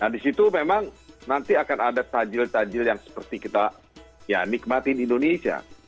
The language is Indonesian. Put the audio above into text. nah disitu memang nanti akan ada takjil takjil yang seperti kita ya nikmati di indonesia